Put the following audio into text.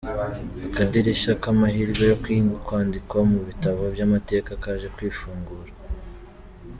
Akadirisha k’amahirwe yo kwandikwa mu bitabo by’amateka kaje kwifungura.